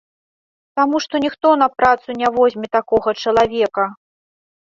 Таму што ніхто на працу не возьме такога чалавека.